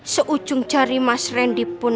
seujung cari mas randy pun